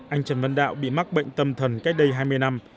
anh trần văn đạo bị mắc bệnh tâm thần cách đây hai mươi năm